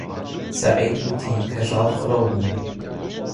سەعید گوتی کەژاڵ قەڵەو بوو.